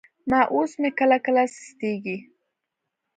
ماوس مې کله کله سستېږي.